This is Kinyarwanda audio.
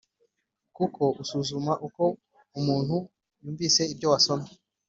kuko usuzuma uko umuntu yumvise ibyo yasomye